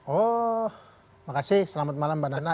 oh makasih selamat malam mbak nana